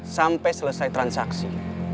sampai selesai transaksi